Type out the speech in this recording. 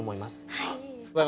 はい。